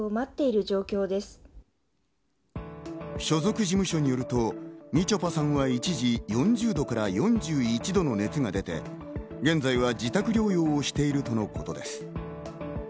所属事務所によると、みちょぱさんは一時４０度から４１度の熱が出て、現在は自宅療養をしているとのことです。